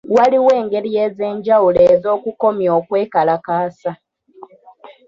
Waliwo engeri ez'enjawulo ez'okukomya okwekalakaasa.